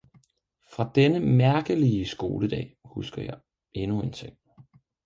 Fra denne mærkelige skoledag husker jeg endnu en ting.